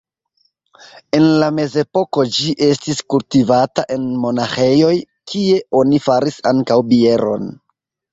En la mezepoko ĝi estis kultivata en monaĥejoj, kie oni faris ankaŭ bieron.